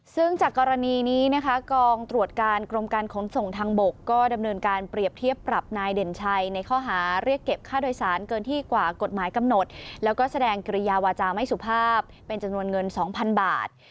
ซึ่งจากกรณีนี้นะคะกองตรวจการกรมการขนส่งทางบกก็ดำเนินการเปรียบเทียบปรับนายเด่นชัยในข้อหาเรียกเก็บค่าโดยสารเกินที่กว่ากฎหมายกำหนดแล้วก็แสดงกิริยาวาจาไม่สุภาพเป็นจำนวนเงิน๒๐๐๐บาท